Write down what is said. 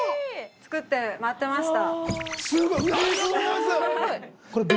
◆作って待ってました。